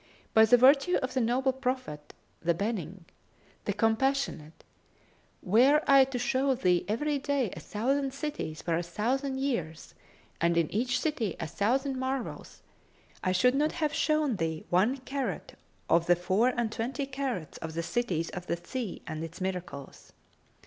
By the virtue of the noble Prophet, the benign, the compassionate, were I to show thee every day a thousand cities for a thousand years, and in each city a thousand marvels, I should not have shown thee one carat of the four and twenty carats of the cities of the sea and its miracles!